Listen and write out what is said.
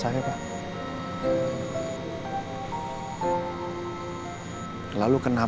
pernah papa dengar saya ingin mencerahkan andi